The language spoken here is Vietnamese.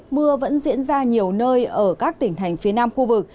mưa vẫn diễn ra nhiều nơi ở các tỉnh thành phía nam khu vực